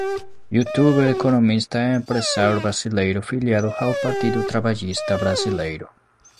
youtuber, economista E empresário brasileiro filiado ao Partido Trabalhista Brasileiro.